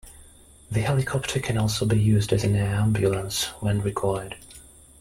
The helicopter can also be used as an air ambulance when required.